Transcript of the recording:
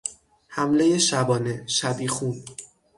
حملهی شبانه، شبیخون